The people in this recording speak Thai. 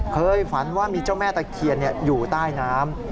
เคยฝันว่ามีเจ้าแม่ตะเคียนอยู่ใต้น้ำ